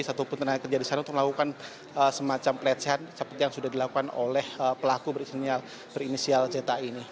jadi satu pun terangnya kejadian di sana untuk melakukan semacam pelecehan seperti yang sudah dilakukan oleh pelaku berinisial ceta ini